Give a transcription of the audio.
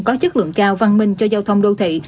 có chất lượng cao văn minh cho giao thông đô thị